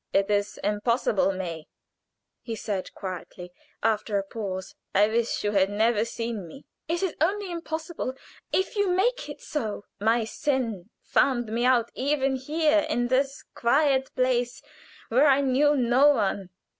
"It is impossible, May," he said, quietly, after a pause. "I wish you had never seen me." "It is only impossible if you make it so." "My sin found me out even here, in this quiet place, where I knew no one.